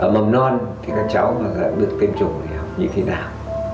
mầm non thì các cháu mà dẫn được tên trùng thì học như thế nào